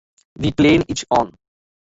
The plan is on.